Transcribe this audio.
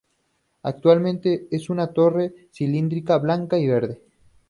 Actualmente, es una torre cilíndrica blanca y verde.